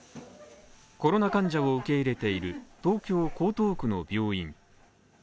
コロナ患者を受け入れている東京・江東区の病院。